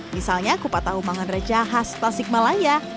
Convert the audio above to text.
misalnya kupat tahu pangan reja khas tasik malaya